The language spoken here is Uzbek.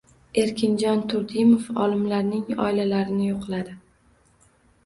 Erkinjon Turdimov olimlarning oilalarini yo‘qladi